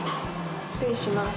失礼します。